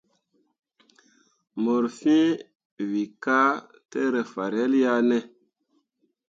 Mor fẽẽ we ka tǝ rǝ fahrel ya ne ?